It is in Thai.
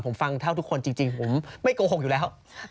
ผมฟังเท่าทุกคนจริงผมไม่โกหกอยู่แล้ว